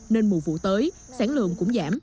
nên mùa vụ tới sản lượng cũng giảm